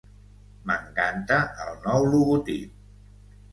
M'encanta el nou logotip!